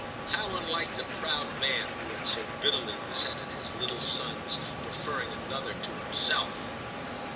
How unlike the proud man who had so bitterly resented his little son's preferring another to himself